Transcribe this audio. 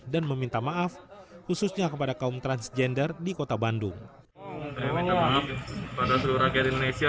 dan meminta maaf khususnya kepada kaum transgender di kota bandung pada seluruh rakyat indonesia